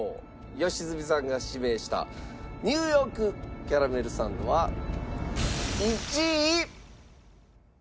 良純さんが指名したＮ．Ｙ．キャラメルサンドは１位。